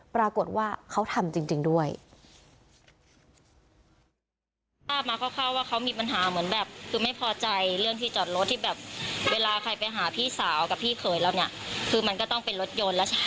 ปรากฏว่าเขาทำจริงด้วย